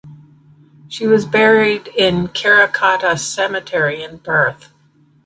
She was buried in Karrakatta Cemetery in Perth.